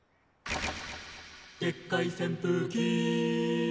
「でっかい扇風機」